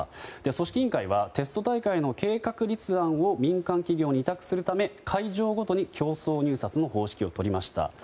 組織委員会はテスト大会の計画立案を民間企業に委託するため会場ごとに競争入札の方式をとりました。